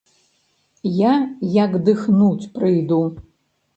Я, як дыхнуць, прыйду.